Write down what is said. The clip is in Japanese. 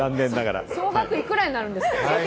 総額いくらになるんですか？